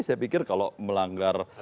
saya pikir kalau melanggar